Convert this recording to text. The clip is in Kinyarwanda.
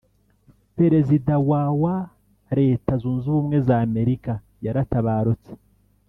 perezida wa wa Leta zunze ubumwe za Amerika yaratabarutse